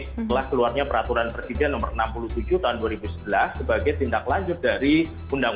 setelah keluarnya peraturan presiden nomor enam puluh tujuh tahun dua ribu sebelas sebagai tindak lanjut dari undang undang